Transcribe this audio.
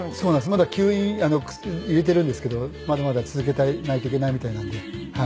まだ吸引入れてるんですけどまだまだ続けないといけないみたいなんで。